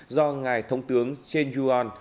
do ngài thống tướng chen yuen